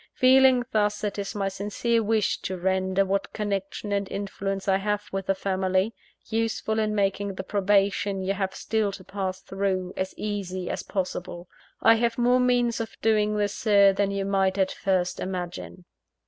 Feeling thus, it is my sincere wish to render what connection and influence I have with the family, useful in making the probation you have still to pass through, as easy as possible. I have more means of doing this, Sir, than you might at first imagine."